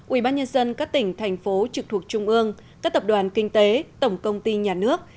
ubnd các tỉnh thành phố trực thuộc trung ương các tập đoàn kinh tế tổng công ty nhà nước